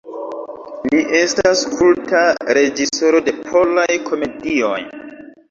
Li estas kulta reĝisoro de polaj komedioj.